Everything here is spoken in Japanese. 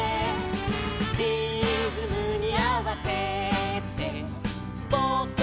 「リズムにあわせてぼくたちも」